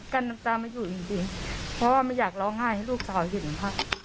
กั้นน้ำตาไม่อยู่จริงเพราะว่าไม่อยากหล่อง่ายให้ลูกสาวเห็นค่ะ